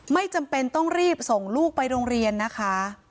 ไม่จำเป็นต้องรีบส่งลูกไปโรงเรียนนะคะ